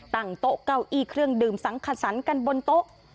ตั้งโต๊ะเก้าอี้เครื่องดื่มสังขสันกันบนโต๊ะ